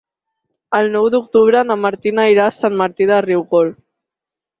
El nou d'octubre na Martina irà a Sant Martí de Riucorb.